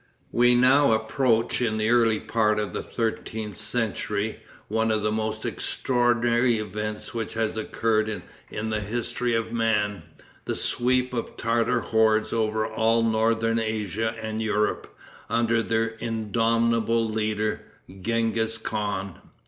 We now approach, in the early part of the thirteenth century, one of the most extraordinary events which has occurred in the history of man: the sweep of Tartar hordes over all of northern Asia and Europe, under their indomitable leader, Genghis Khan.